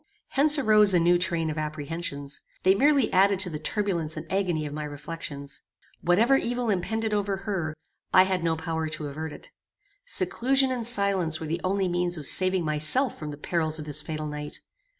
Hence arose a new train of apprehensions. They merely added to the turbulence and agony of my reflections. Whatever evil impended over her, I had no power to avert it. Seclusion and silence were the only means of saving myself from the perils of this fatal night.